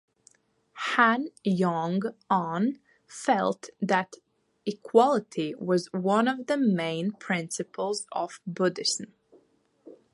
Han Yong-un felt that equality was one of the main principles of Buddhism.